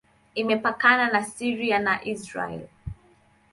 Imepakana na Syria na Israel.